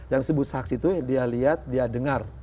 yang disebut saksi itu dia lihat dia dengar